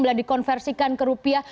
belah dikonversikan ke rupiah